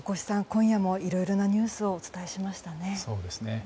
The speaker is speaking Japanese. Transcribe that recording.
今夜もいろいろなニュースをお伝えしましたね。